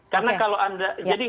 karena kalau anda